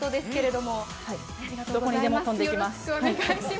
どこにでも飛んでいきます。